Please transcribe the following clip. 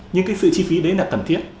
nhưng cái sự chi phí đấy là cần thiết